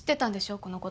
このこと。